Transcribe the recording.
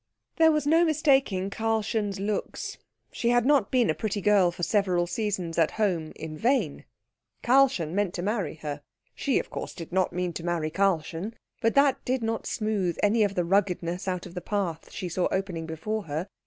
There was no mistaking Karlchen's looks; she had not been a pretty girl for several seasons at home in vain. Karlchen meant to marry her. She, of course, did not mean to marry Karlchen, but that did not smooth any of the ruggedness out of the path she saw opening before her.